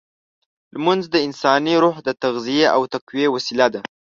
لمونځ د انساني روح د تغذیې او تقویې وسیله ده.